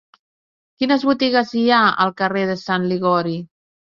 Quines botigues hi ha al carrer de Sant Liguori?